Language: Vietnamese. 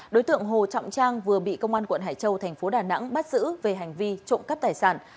đối tượng hồ trọng trang vừa bị công an quận hải châu thành phố đà nẵng bắt giữ về hành vi trộm cắp tài sản